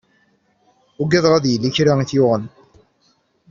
Uggadeɣ ad yili kra i t-yuɣen.